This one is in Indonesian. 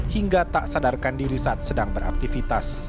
hingga tak sadarkan diri saat sedang beraktivitas